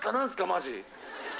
マジ。